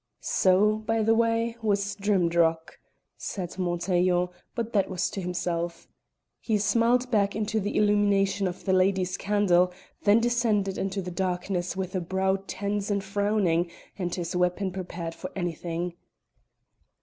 "So, by the way, was Drimdarroch," said Montaiglon, but that was to himself. He smiled back into the illumination of the lady's candle, then descended into the darkness with a brow tense and frowning, and his weapon prepared for anything.